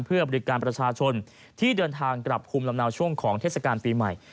เพื่อบริการประชาชนที่เดินทางกลับภูมิลำเนาช่วงของเทศกาลปีใหม่